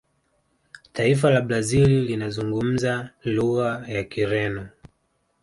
taifa la brazil linazungumza lugha ya kireno